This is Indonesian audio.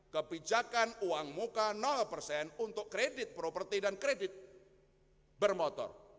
kebijakan uang muka persen untuk kredit properti dan kredit bermotor